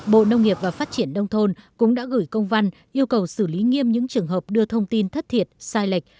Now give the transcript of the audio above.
bộ nông nghiệp và phát triển đông thôn cũng đã gửi công văn yêu cầu xử lý nghiêm những trường hợp đưa thông tin thất thiệt sai lệch